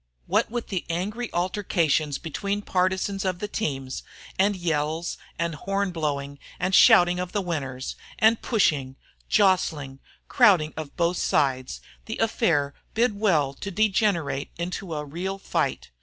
What with the angry altercations between partisans of the teams, and yells and horn blowing and shooting of the winners, and pushing, jostling, crowding of both sides, the affair bid well to degenerate into a real fight.